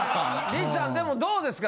リチさんでもどうですか？